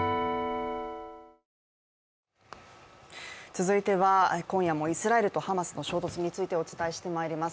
続いては今夜もイスラエルとハマスの衝突についてお伝えします。